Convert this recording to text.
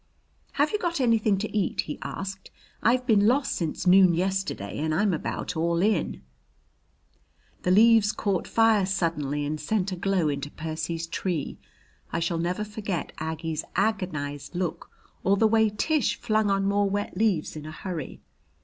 "Have you got anything to eat?" he asked. "I've been lost since noon yesterday and I'm about all in." The leaves caught fire suddenly and sent a glow into Percy's tree. I shall never forget Aggie's agonized look or the way Tish flung on more wet leaves in a hurry.